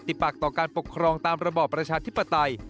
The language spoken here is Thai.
ปากต่อการปกครองตามระบอบประชาธิปไตย